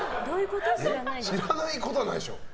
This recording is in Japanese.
知らないことはないでしょ。